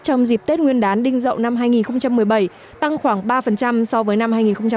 trong dịp tết nguyên đán đinh dậu năm hai nghìn một mươi bảy tăng khoảng ba so với năm hai nghìn một mươi bảy